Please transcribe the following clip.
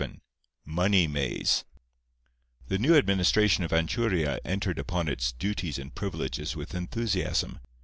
VII MONEY MAZE The new administration of Anchuria entered upon its duties and privileges with enthusiasm.